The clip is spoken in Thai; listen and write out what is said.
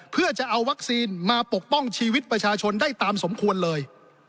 เพื่อจะเอาวัคซีนมาปกป้องชีวิตประชาชนได้ตามสมควรเลย